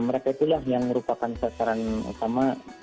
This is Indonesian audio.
mereka itulah yang merupakan sasaran utama